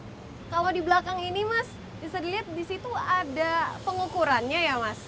kalau di belakang ini mas bisa dilihat di situ ada pengukurannya ya mas